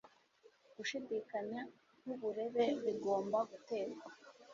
Gushidikanya nkuburere bigomba guterwa